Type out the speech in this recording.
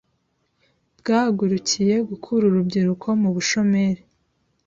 bwahagurukiye gukura urubyiruko mu bushomeri